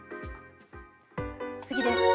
次です。